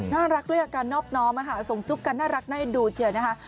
น่ารักด้วยกับการนอบน้อมส่งจุ๊กกันน่ารักได้ดูเฉยนะฮะ